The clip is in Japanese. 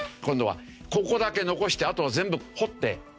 今度はここだけ残してあとは全部掘って。